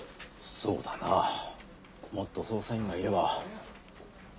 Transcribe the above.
そうだなもっと捜査員がいれば。